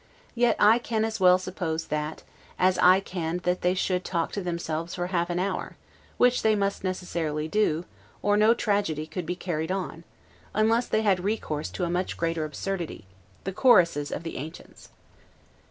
yet, I can as well suppose that, as I can that they should talk to themselves for half an hour; which they must necessarily do, or no tragedy could be carried on, unless they had recourse to a much greater absurdity, the choruses of the ancients.